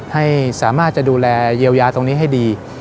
ให้สามารถจะดูแลเยียวยาตรงนี้ให้ดี